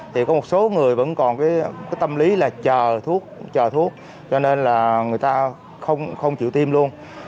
thì có một số người vẫn còn cái tâm lý là chờ thuốc chờ thuốc cho nên là người ta không chịu tiêm luôn